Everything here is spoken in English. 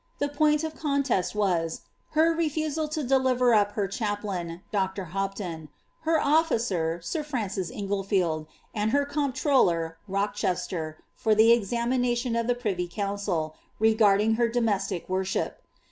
The point of contest was, her refusal to deliver up her ain. Dr. Hopton, her officer, sir Francis Ingletield, and her comp r, Rochester, for the examination of the privy council, regarding omestic worship.